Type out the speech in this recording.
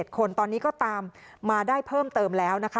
คนตอนนี้ก็ตามมาได้เพิ่มเติมแล้วนะคะ